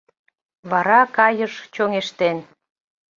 Вара кайыш чоҥештен